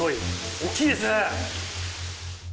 大きいですね。